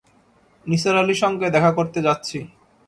নিসার আলির সঙ্গে দেখা করতে যাচ্ছি।